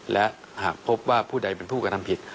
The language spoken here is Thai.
และหากพบว่าผู้ใดเป็นผู้กระทำผิด